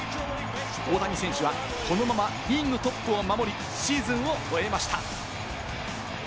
大谷選手はこのままリーグトップを守り、シーズンを終えました。